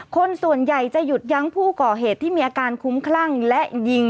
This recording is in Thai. คนส่วนใหญ่จะหยุดยั้งผู้ก่อเหตุที่มีอาการคุ้มคลั่งและยิง